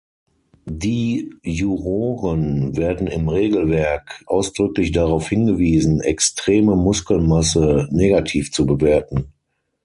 Die Juroren werden im Regelwerk ausdrücklich darauf hingewiesen, extreme Muskelmasse negativ zu bewerten.